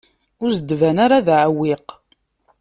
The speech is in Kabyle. Ur as-d-tban ara d aɛewwiq.